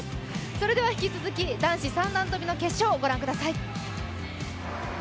それでは引き続き男子三段跳の決勝、ご覧ください。